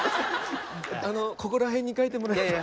ここら辺に書いてもらえれば。